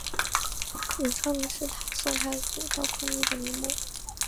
永昌陵是宋太祖赵匡胤的陵墓。